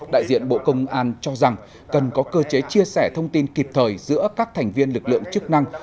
đại diện bộ công an cho rằng cần có cơ chế chia sẻ thông tin kịp thời giữa các thành viên lực lượng chức năng